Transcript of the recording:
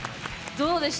どうでした？